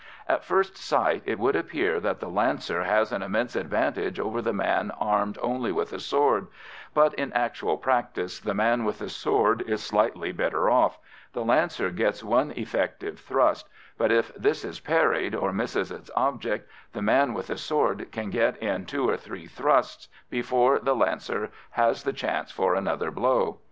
At first sight it would appear that the Lancer has an immense advantage over the man armed only with a sword, but in actual practice the man with the sword is slightly better off; the Lancer gets one effective thrust, but, if this is parried or misses its object, the man with the sword can get in two or three thrusts before the Lancer has the chance for another blow.